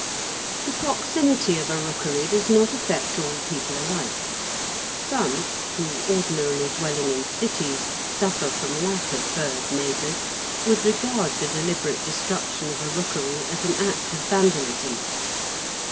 The proximity of a rookery does not affect all people alike. Some who, ordinarily dwelling in cities, suffer from lack of bird neighbours, would regard the deliberate destruction of a rookery as an act of vandalism.